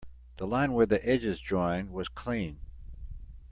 The line where the edges join was clean.